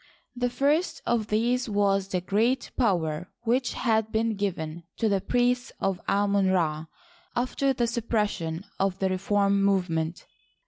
The first of these was the great power which had been given the priests of Amon Ra after the suppression of the reform movement.